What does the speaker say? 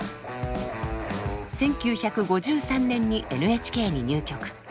１９５３年にＮＨＫに入局。